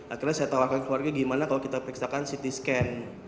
akhirnya saya tawarkan keluarga gimana kalau kita periksakan ct scan